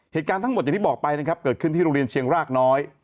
เหตุการณ์ทั้งหมดอย่างที่บอกไปนะครับเกิดขึ้นที่โรงเรียนเชียงรากน้อย